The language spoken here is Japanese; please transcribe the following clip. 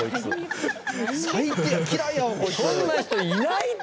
そんな人いないって。